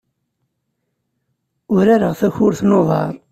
Urareɣ takurt n uḍar.